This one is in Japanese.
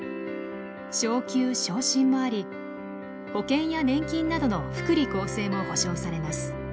昇給昇進もあり保険や年金などの福利厚生も保証されます。